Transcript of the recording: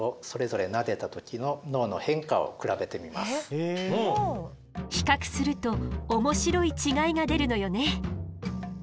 これから比較すると面白い違いが出るのよね。